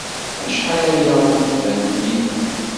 Acḥal aya ur d-tban Taninna.